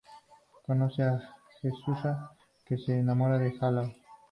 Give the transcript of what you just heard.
Conoce a Jesusa, que se enamora del galán.